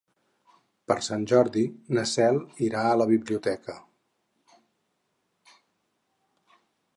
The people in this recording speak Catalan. Per Sant Jordi na Cel irà a la biblioteca.